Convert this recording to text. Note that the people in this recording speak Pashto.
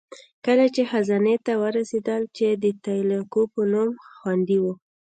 کله چې خزانې ته ورسېدل، چې د تیالکو په نوم خوندي وه.